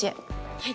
はい！